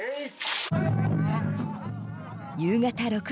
夕方６時。